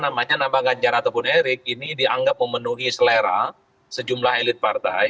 namanya nama ganjar ataupun erik ini dianggap memenuhi selera sejumlah elit partai